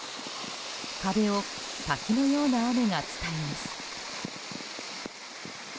壁を滝のような雨が伝います。